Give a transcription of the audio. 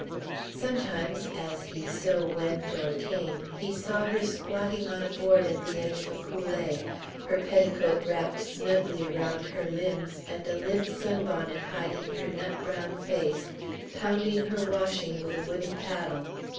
Sometimes as he so went or came he saw her squatting on a board at the edge of a coolée, her petticoat wrapped snugly around her limbs, and a limp sunbonnet hiding her nut brown face, pounding her washing with a wooden paddle.